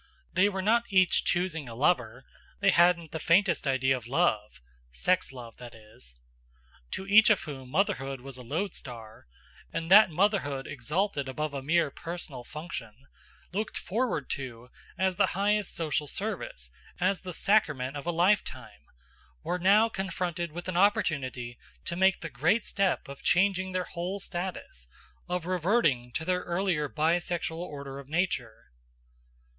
They were not each choosing a lover; they hadn't the faintest idea of love sex love, that is. These girls to each of whom motherhood was a lodestar, and that motherhood exalted above a mere personal function, looked forward to as the highest social service, as the sacrament of a lifetime were now confronted with an opportunity to make the great step of changing their whole status, of reverting to their earlier bi sexual order of nature.